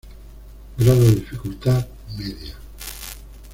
Grado dificultad: Media.